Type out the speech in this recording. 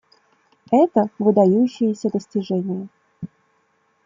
Это — выдающееся достижение.